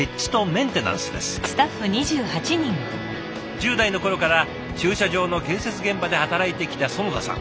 １０代の頃から駐車場の建設現場で働いてきた囿田さん。